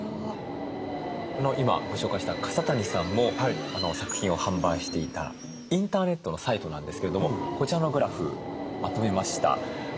今ご紹介した笠谷さんも作品を販売していたインターネットのサイトなんですけれどもこちらのグラフまとめました。